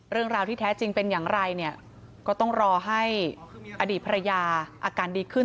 เรื่องราวที่แท้จริงเป็นอย่างไรเนี่ยก็ต้องรอให้อดีตภรรยาอาการดีขึ้น